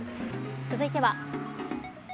続いては。